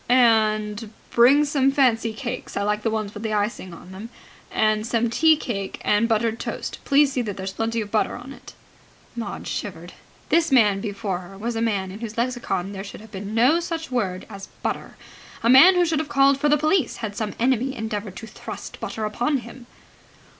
"And bring some fancy cakes I like the ones with icing on them and some tea cake and buttered toast. Please see there's plenty of butter on it." Maud shivered. This man before her was a man in whose lexicon there should have been no such word as butter, a man who should have called for the police had some enemy endeavoured to thrust butter upon him.